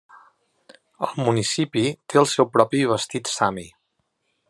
El municipi té el seu propi vestit sami.